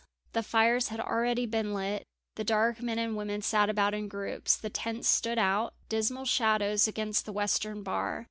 The fires had already been lit, the dark men and women sat about in groups. The tents stood out, dismal shadows, against the Western Bar.